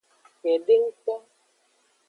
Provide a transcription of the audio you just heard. Kpedengto.